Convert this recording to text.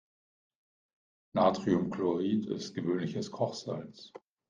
Natriumchlorid ist gewöhnliches Kochsalz.